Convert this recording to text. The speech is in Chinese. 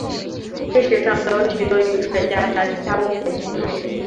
历史上曾有许多雨水夹杂其他物品的记录。